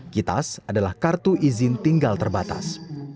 kitas adalah kartu izin tinggal terbatas